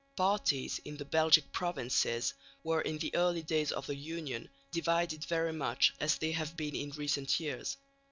Parties in the Belgic provinces were in the early days of the Union divided very much as they have been in recent years.